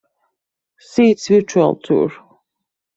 See its Virtual Tour.